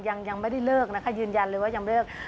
ยังไม่ได้เลิกนะคะยืนยันเลยว่ายังไม่เลิก